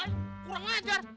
eh kurang ngajar